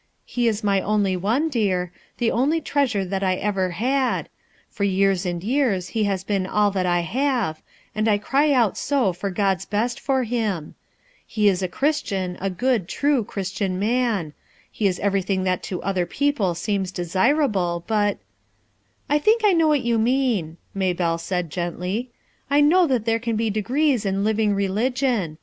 He is my only one, dear, the only treasure that I ever had; for years and years he has been all that I have ; and I cry out so for God's best for him I He is a Christian, a good, true Chris tian man j he is everything that to other people seems desirable; but — J} "I think I know what you mean," Maybelle said gently. "I know that there can be degrees in living religion.